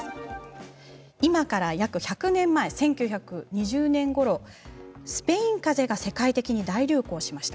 今から１００年前１９２０年ごろスペインかぜが世界的に大流行しました。